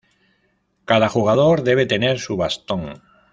Cada jugador debe tener su bastón.